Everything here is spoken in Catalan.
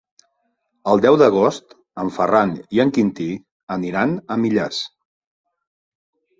El deu d'agost en Ferran i en Quintí aniran a Millars.